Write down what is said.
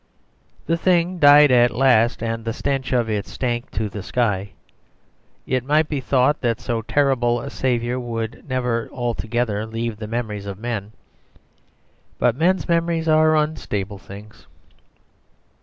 The thing died at last, and the stench of it stank to the sky. It might be thought that so terrible a savour would never altogether leave the memories of men; but men's memories are unstable things.